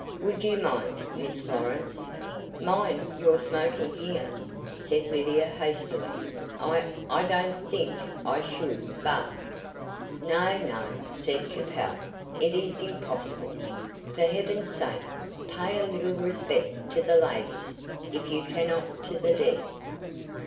"Would you mind, Miss Lawrence?" "Mind your smoking here?" said Lydia hastily. "I I don't think I should, but " "No, no," said Capel; "it is impossible. For heaven's sake, pay a little respect to the ladies, if you cannot to the dead."